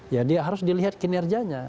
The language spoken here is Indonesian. ya dia harus dilihat kinerjanya